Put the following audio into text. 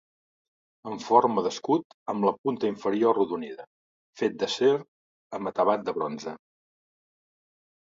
Amb forma d'escut amb la punta inferior arrodonida, fet d'acer amb acabat de bronze.